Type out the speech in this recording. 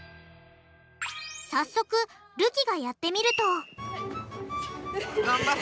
早速るきがやってみるとがんばって。